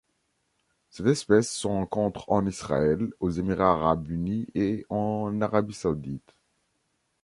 Cette espèce se rencontre en Israël, aux Émirats arabes unis et en Arabie saoudite.